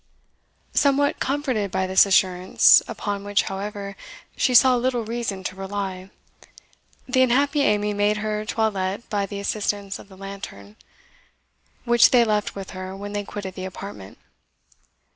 Somewhat comforted by this assurance, upon which, however, she saw little reason to rely, the unhappy Amy made her toilette by the assistance of the lantern, which they left with her when they quitted the apartment.